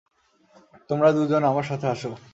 তোমরা দুজন আমার সাথে আসো।